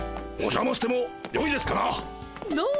おじゃましてもよいですかな？